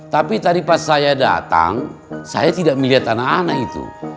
tapi tadi pas saya datang saya tidak melihat anak anak itu